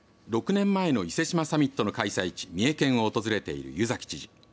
６年前の伊勢志摩サミットの開催地、三重県を訪れている湯崎知事。